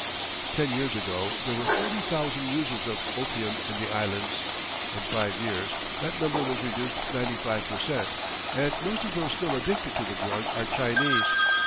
Ten years ago there were forty thousand users of opium in the Islands. In five years that number was reduced ninety five per cent, and most of those still addicted to the drug are Chinese.